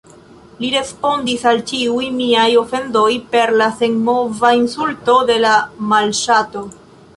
Li respondis al ĉiuj miaj ofendoj per la senmova insulto de la malŝato.